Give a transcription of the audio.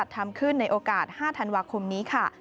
ทำขึ้นในโอกาส๕ธันวาคมนี้ค่ะ